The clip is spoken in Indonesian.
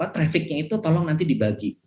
trafficnya itu tolong nanti dibagi